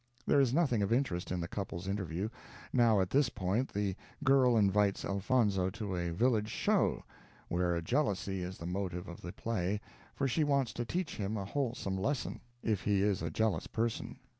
There is nothing of interest in the couple's interview. Now at this point the girl invites Elfonzo to a village show, where jealousy is the motive of the play, for she wants to teach him a wholesome lesson, if he is a jealous person.